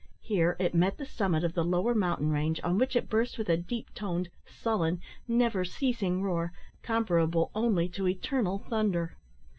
Here it met the summit of the lower mountain range, on which it burst with a deep toned, sullen, never ceasing roar, comparable only to eternal thunder.